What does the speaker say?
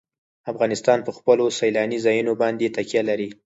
افغانستان په خپلو سیلاني ځایونو باندې تکیه لري.